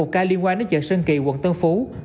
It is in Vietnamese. một ca liên quan đến chợ sơn kỳ quận tân phú